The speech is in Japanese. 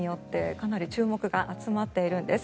かなり注目が集まっているんです。